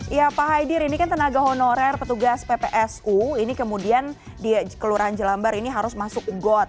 ya pak haidir ini kan tenaga honorer petugas ppsu ini kemudian di kelurahan jelambar ini harus masuk got